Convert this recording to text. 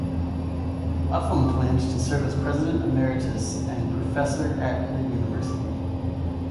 Upham planned to serve as President Emeritus and professor at the university.